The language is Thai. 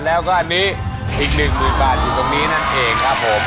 แล้วก็อันนี้อีก๑๐๐๐๐บาทอยู่ตรงนี้นั่นเองครับผม